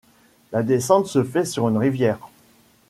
La descente se fait sur une rivière.